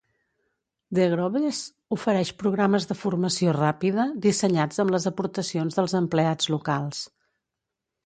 The Groves ofereix programes de formació ràpida dissenyats amb les aportacions dels empleats locals.